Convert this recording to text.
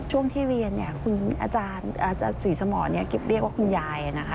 ช่วงที่เรียนอาจารย์ศรีสมรคงเรียกว่าคุณยาย